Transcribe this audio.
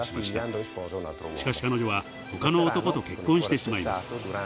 しかし彼女は他の男と結婚してしまいます。